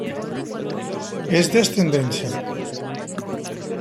Es de ascendencia japonesa, holandesa y escocesa.